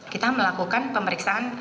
kita melakukan pemeriksaan